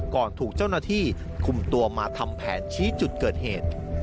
ถูกเจ้าหน้าที่คุมตัวมาทำแผนชี้จุดเกิดเหตุ